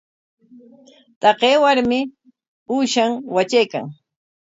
Taqay warmi uushan watraykan.